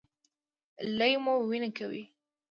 لۍ مو وینه کوي؟